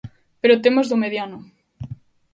Pero temos do mediano...